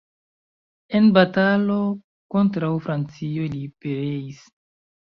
En batalo kontraŭ Francio li pereis.